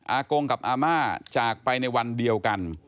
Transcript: กงกับอาม่าจากไปในวันเดียวกัน